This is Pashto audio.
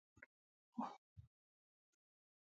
غول د خوږو عاشق نه دی.